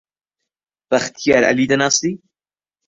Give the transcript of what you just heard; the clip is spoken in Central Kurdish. بەختیار عەلی دەناسی؟